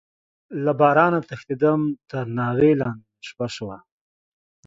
له بارانه تښتيدم، تر ناوې لاندې مې شپه شوه.